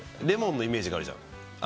レモンのイメージがあるじゃん。